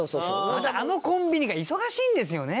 またあのコンビニが忙しいんですよね。